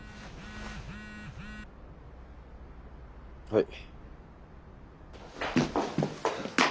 はい。